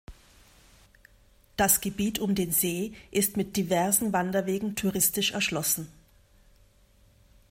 Das Gebiet um den See ist mit diversen Wanderwegen touristisch erschlossen.